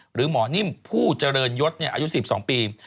หรือหมอนิ่มผู้เจริญยศอายุ๑๒ปี